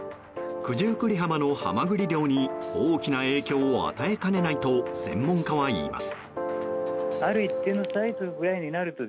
九十九里のハマグリ漁に大きな影響を与えかねないと専門家は言います。